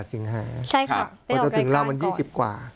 ใช่ค่ะไปออกรายการก่อนมันจะถึงราวมัน๒๐กว่า